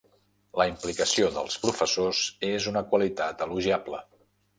La implicació dels professors és una qualitat elogiable.